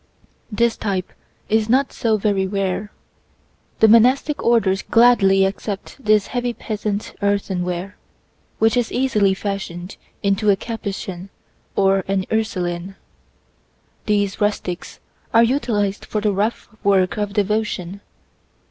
This type is not so very rare. The monastic orders gladly accept this heavy peasant earthenware, which is easily fashioned into a Capuchin or an Ursuline. These rustics are utilized for the rough work of devotion.